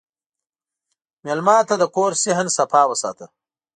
مېلمه ته د کور صحن صفا وساته.